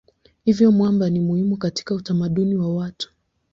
Hivyo mwamba ni muhimu katika utamaduni wa watu.